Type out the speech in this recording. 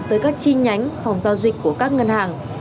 tới các chi nhánh phòng giao dịch của các ngân hàng